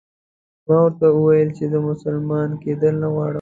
ما ورته وویل چې زه مسلمان کېدل نه غواړم.